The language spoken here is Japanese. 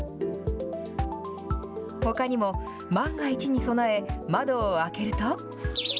ほかにも、万が一に備え、窓を開けると。